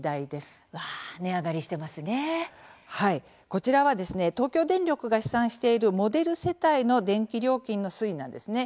こちらは東京電力が試算しているモデル世帯の電気料金の推移なんです。